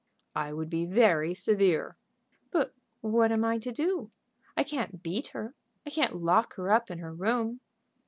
"I would be very severe." "But what am I to do? I can't beat her; I can't lock her up in her room."